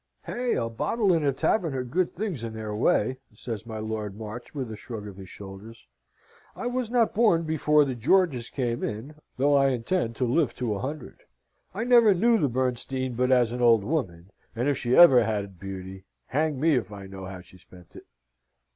"Hey! a bottle and a tavern are good things in their way," says my Lord March, with a shrug of his shoulders. "I was not born before the Georges came in, though I intend to live to a hundred. I never knew the Bernstein but as an old woman; and if she ever had beauty, hang me if I know how she spent it."